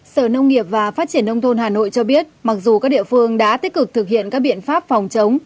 sở nông nghiệp và phát triển nông thôn hà nội cho biết mặc dù các địa phương đã tích cực thực hiện các biện pháp phòng chống